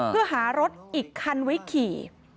เพื่อหารถอีกคันไว้ขี่